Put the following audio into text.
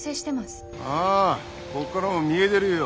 ああこっからも見えでるよ。